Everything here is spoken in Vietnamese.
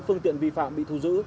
phương tiện vi phạm bị thu giữ